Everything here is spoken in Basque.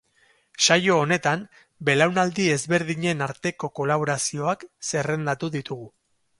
Saio honetan, belaunaldi ezberdinen arteko kolaborazioak zerrendatu ditugu.